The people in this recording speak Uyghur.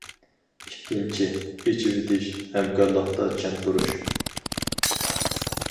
ئىككىنچى، ئېچىۋېتىش، ھەمكارلىقتا چىڭ تۇرۇش.